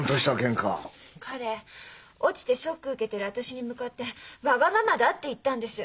彼落ちてショック受けてる私に向かってわがままだって言ったんです。